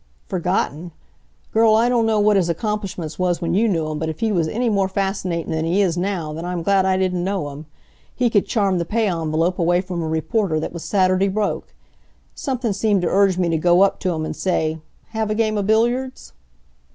"Forgotten? Girl, I don't know what his accomplishments was when you knew him, but if he was any more fascinatin' than he is now, then I'm glad I didn't know him. He could charm the pay envelope away from a reporter that was Saturday broke. Somethin' seemed t' urge me t' go up t' him an' say: 'Have a game of billiards?'